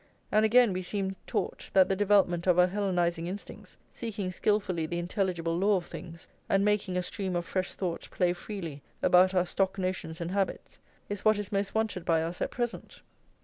And again we seem taught that the development of our Hellenising instincts, seeking skilfully the intelligible law of things, and making a stream of fresh thought play freely about our stock notions and habits, is what is most wanted by us at present.